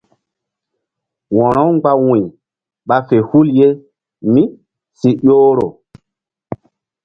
Wo̧ro-u mgba wu̧y ɓa fe hul ye mí si ƴohro.